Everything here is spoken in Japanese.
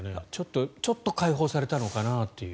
ちょっと解放されたのかなという。